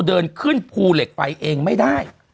เดินขึ้นภูเหล็กไฟเองไม่ได้